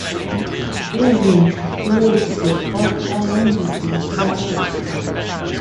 Stevens played the Oscar Madison character.